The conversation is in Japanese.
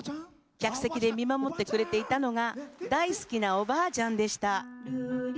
客席で見守ってくれていたのが大好きなおばあちゃんでした。